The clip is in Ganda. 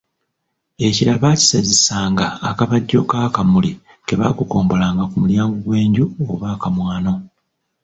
Ekirira baakisazisanga akabajjo k’akamuli ke baagogombolanga ku mulyango gw’enju oba akamwano.